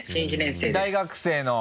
大学生の。